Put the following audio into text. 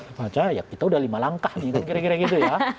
apa aja ya kita udah lima langkah nih kan kira kira gitu ya